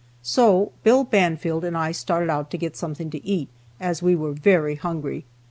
So Bill Banfield and I started out to get something to eat, as we were very hungry.